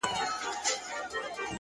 هره هڅه د راتلونکي بنسټ ږدي.